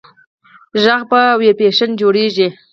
غږ په ویبرېشن جوړېږي.